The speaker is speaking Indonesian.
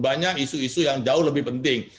banyak isu isu yang jauh lebih penting